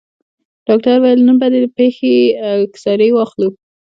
ډاکتر وويل نن به دې د پښې اكسرې واخلو.